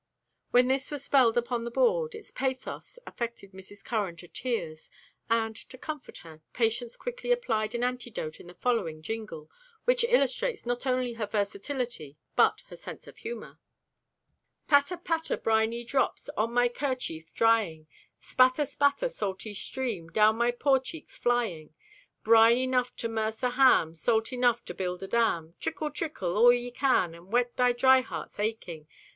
When this was spelled upon the board, its pathos affected Mrs. Curran to tears, and, to comfort her, Patience quickly applied an antidote in the following jingle, which illustrates not only her versatility, but her sense of humor: Patter, patter, briney drops, On my kerchief drying: Spatter, spatter, salty stream, Down my poor cheeks flying. Brine enough to 'merse a ham, Salt enough to build a dam! Trickle, trickle, all ye can And wet my dry heart's aching.